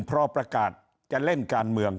พอประกาศจะเล่นการเมือง